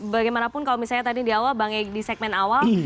bagaimanapun kalau misalnya tadi di awal bang egy di segmen awal